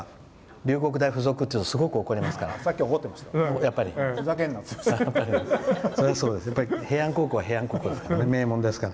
龍谷大付属というとすごく怒りますから。